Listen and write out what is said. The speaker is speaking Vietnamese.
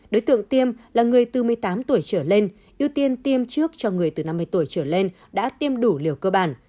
đối tượng tiêm là người từ một mươi tám tuổi trở lên ưu tiên tiêm trước cho người từ năm mươi tuổi trở lên đã tiêm đủ liều cơ bản